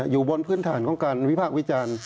อยู่บนพื้นฐานของการวิพากษ์วิจารณ์